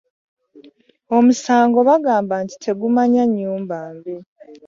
Omusango bagamba tegumanya nnyumba mbi.